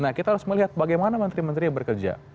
nah kita harus melihat bagaimana menteri menteri yang bekerja